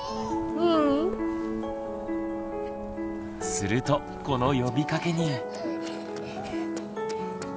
するとこの呼びかけに。